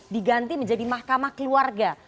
diganti menjadi mahkamah keluarga